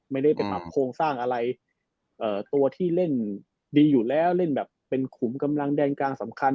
ไม่ได้ไปปรับโครงสร้างอะไรตัวที่เล่นดีอยู่แล้วเล่นแบบเป็นขุมกำลังแดนกลางสำคัญ